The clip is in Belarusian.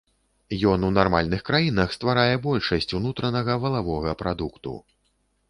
Ён у нармальных краінах стварае большасць унутранага валавога прадукту.